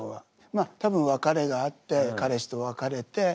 まあ多分別れがあって彼氏と別れて。